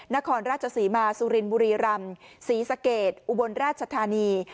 นครราชศรีมาสุรินบุรีรำศรีสะเกดอุบลราชธานี